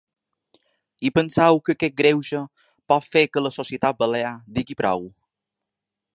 I penseu que aquest greuge pot fer que la societat balear digui prou?